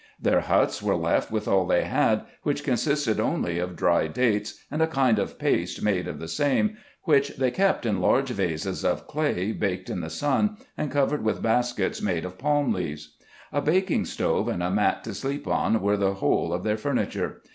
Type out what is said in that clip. Their huts were left with all they had, which con sisted only of dry dates, and a kind of paste made of the same, which they kept in large vases of clay baked in the sun, and covered with baskets made of palm leaves. A baking stove and a mat to sleep on were the whole of their furniture.